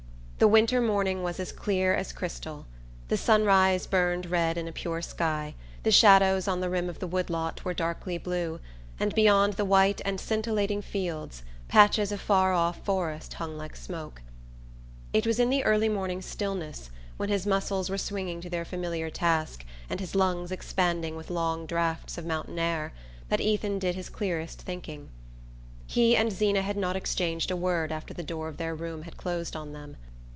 The winter morning was as clear as crystal. The sunrise burned red in a pure sky, the shadows on the rim of the wood lot were darkly blue, and beyond the white and scintillating fields patches of far off forest hung like smoke. It was in the early morning stillness, when his muscles were swinging to their familiar task and his lungs expanding with long draughts of mountain air, that Ethan did his clearest thinking. He and Zeena had not exchanged a word after the door of their room had closed on them.